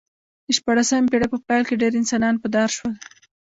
د شپاړسمې پېړۍ په پیل کې ډېر انسانان په دار شول